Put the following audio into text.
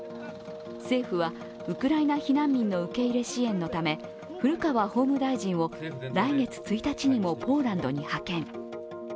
政府は、ウクライナ避難民の受け入れ支援のため古川法務大臣を来月１日にもポーランドに派遣。